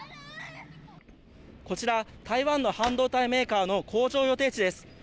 こちら、台湾の半導体メーカーの工場予定地です。